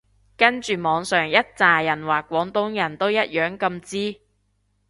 跟住網上一柞人話廣東人都一樣咁支